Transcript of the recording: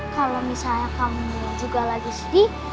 kalau misalnya kamu juga lagi sedih